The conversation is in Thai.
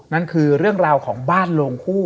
นั่นคือเรื่องราวของบ้านโลงคู่